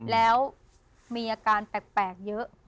แล้วมีอาการแปลกเยอะ